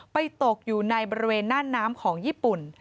ตกอยู่ในบริเวณหน้าน้ำของญี่ปุ่น